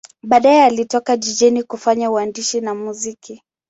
Baadaye alitoka jijini kufanya uandishi na muziki.